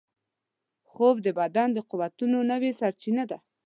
خوب د بدن د قوتونو نوې سرچینه ده